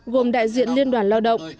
gồm đại diện liên đoàn lao động